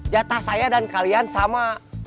jatah saya dan kalian sama